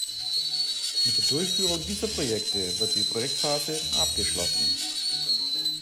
Mit der Durchführung dieser Projekte wird die "Projektphase" abgeschlossen.